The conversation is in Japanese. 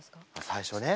最初ね。